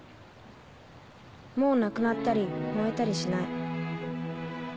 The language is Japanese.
もうなくなったり燃えたりしない。